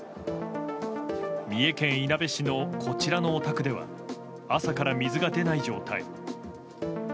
三重県いなべ市のこちらのお宅では朝から水が出ない状態。